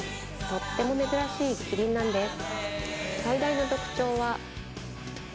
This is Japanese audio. とっても珍しいキリンなんです